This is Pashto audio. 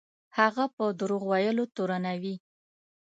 هغه په دروغ ویلو تورنوي.